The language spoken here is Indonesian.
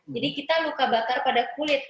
jadi kita luka bakar pada kulit